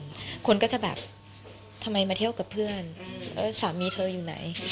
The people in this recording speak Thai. คนก็จะแบบทำไมมาเที่ยวกับเพื่อนแล้วสามีเธออยู่ไหน